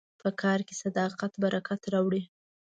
په کار کې صداقت برکت راوړي.